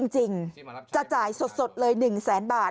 จริงจะจ่ายสดเลย๑แสนบาท